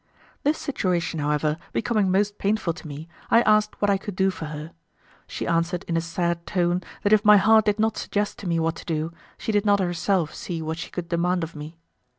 This situation, however, becoming most painful to me, I asked what I could do for her. She answered in a sad tone that if my heart did not suggest to me what to do, she did not herself see what she could demand of me.